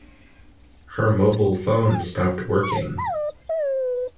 Her mobile phone stopped working.